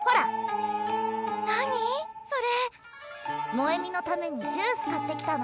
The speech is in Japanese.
萌美のためにジュース買ってきたの。